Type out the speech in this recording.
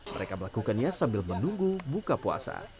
mereka melakukannya sambil menunggu buka puasa